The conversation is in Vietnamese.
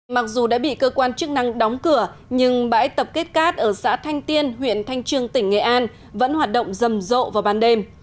mặc dù đã bị cơ quan chức năng đóng cửa nhưng bãi tập kết cát ở xã thanh tiên huyện thanh trương tỉnh nghệ an vẫn hoạt động rầm rộ vào ban đêm